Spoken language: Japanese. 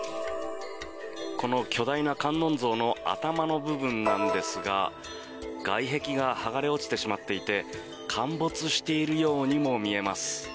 この巨大な観音像の頭の部分なんですが外壁が剥がれ落ちてしまっていて陥没しているようにも見えます。